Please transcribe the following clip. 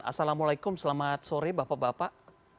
assalamualaikum selamat sore bapak bapak